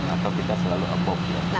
atau kita selalu app ya